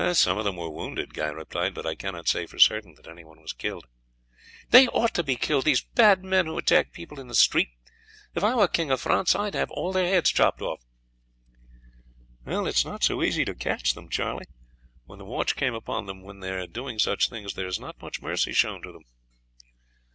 "Some of them were wounded," Guy replied, "but I cannot say for certain that anyone was killed." "They ought to be killed, these bad men who attack people in the street. If I were King of France I would have all their heads chopped off." "It is not so easy to catch them, Charlie. When the watch come upon them when they are doing such things there is not much mercy shown to them."